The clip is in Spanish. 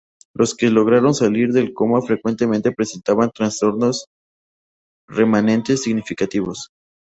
Los que logran salir del coma frecuentemente presentan trastornos remanentes significativos.